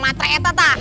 ini mah tretta